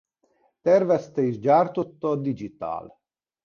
Tervezte és gyártotta a Digital.